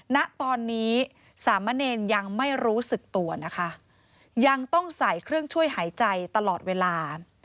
ณตอนนี้สามเณรยังไม่รู้สึกตัวนะคะยังต้องใส่เครื่องช่วยหายใจตลอดเวลา